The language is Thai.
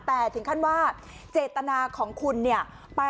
แต่ถึงขั้นว่าเจตนาของคุณเนี่ย